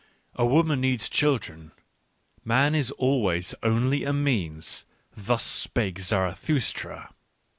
A woman needs \ chiElren, man is always only a means, thus spake Zarathustra.